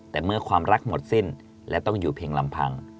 แต่เมื่อความรักหมดสิ้นและต้องอยู่เพียงลำพัง